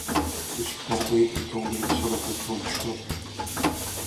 Le support B est tombé sur l’accotement du chemin.